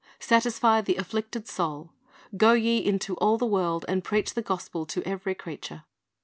"Satisfy the afflicted soul." "Go ye into all the world, and preach the gospel to every creature."